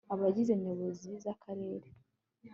abagize nyobozi za karere